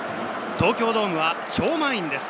東京ドームは超満員です。